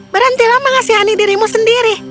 berhentilah mengasihani dirimu sendiri